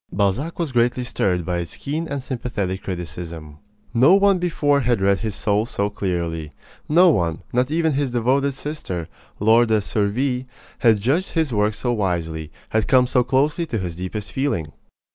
Balzac was greatly stirred by its keen and sympathetic criticism. No one before had read his soul so clearly. No one not even his devoted sister, Laure de Surville had judged his work so wisely, had come so closely to his deepest feeling.